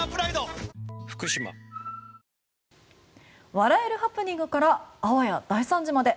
笑えるハプニングからあわや大惨事まで。